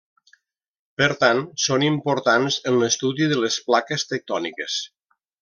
Per tant, són importants en l'estudi de les plaques tectòniques.